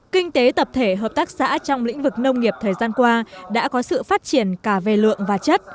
kinh tế tập thể hợp tác xã trong lĩnh vực nông nghiệp thời gian qua đã có sự phát triển cả về lượng và chất